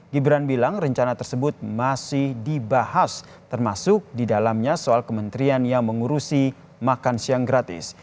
gibran bilang rencana tersebut masih dibahas termasuk di dalamnya soal kementerian yang mengurusi makan siang gratis